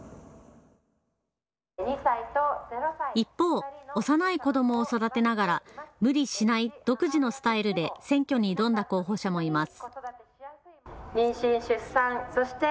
一方、幼い子どもを育てながら無理しない独自のスタイルで選挙に挑んだ候補者もいます。